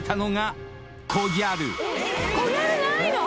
「コギャル」ないの⁉